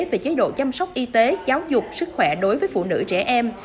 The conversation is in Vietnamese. về chế độ chăm sóc y tế giáo dục sức khỏe đối với phụ nữ trẻ em